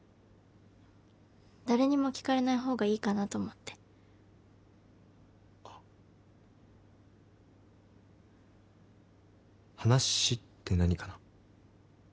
誰にも聞かれないほうがいいかなと思ってあっ話って何かな？